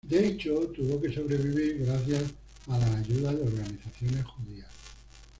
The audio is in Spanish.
De hecho, tuvo que sobrevivir gracias a la ayuda de organizaciones judías.